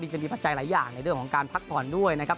จะมีปัจจัยหลายอย่างในเรื่องของการพักผ่อนด้วยนะครับ